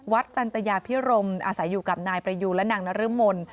ตันตยาพิรมอาศัยอยู่กับนายประยูนและนางนรมน